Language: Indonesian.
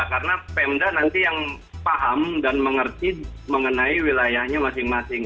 karena pemda nanti yang paham dan mengerti mengenai wilayahnya masing masing